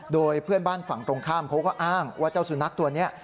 โดยเพื่อนบ้านฝั่งตรงข้ามเขาก็อ้างว่าเจ้าสุนัขตัวนี้